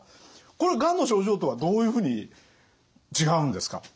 これがんの症状とはどういうふうに違うんですか？